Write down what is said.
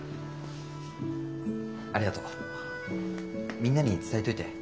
みんなに伝えといて。